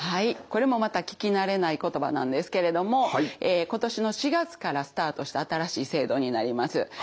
これもまた聞き慣れない言葉なんですけれども今年の４月からスタートした新しい制度になります。